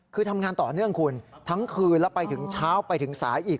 คือทำงานต่อเนื่องคุณทั้งคืนแล้วไปถึงเช้าไปถึงสายอีก